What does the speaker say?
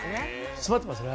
詰まってますね。